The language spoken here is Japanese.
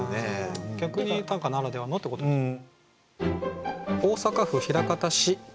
逆に短歌ならではのってことですね。